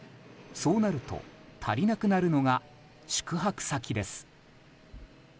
そうなると足りなくなるのが宿泊先です。